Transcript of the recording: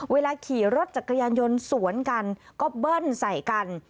เวลาขี่รถจักรยานยนต์สวนกันก็เบิ้ลใส่กัน